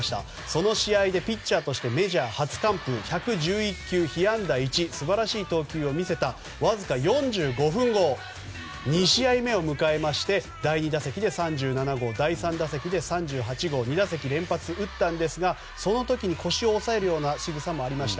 その試合でピッチャーとしてメジャー初完封１１１球、被安打１と素晴らしい投球を見せたそのわずか４５分後２試合目を迎えまして第２打席で３７号第３打席で３８号２打席連発で打ったんですがその時に腰を押さえるしぐさもありました。